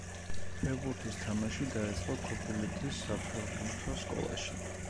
ფეხბურთის თამაში დაიწყო ქობულეთის საფეხბურთო სკოლაში.